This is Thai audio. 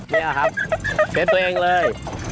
นี่เหรอครับเตรียมตัวเองเลย